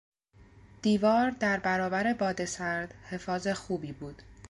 دیوار در برابر باد سرد حفاظ خوبی بود.